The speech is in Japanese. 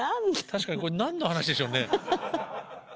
確かにこれ何の話でしょうね？